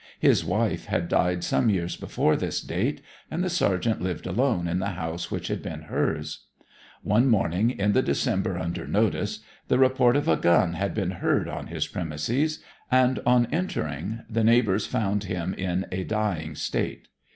His wife had died some years before this date, and the sergeant lived alone in the house which had been hers. One morning in the December under notice the report of a gun had been heard on his premises, and on entering the neighbours found him in a dying state.